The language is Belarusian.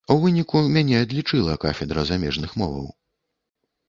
У выніку мяне адлічыла кафедра замежных моваў.